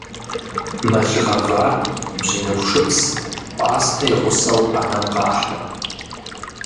Мэл гъэвар бжьыныху шыпс, пӀастэ и гъусэу Ӏэнэм къахьыр.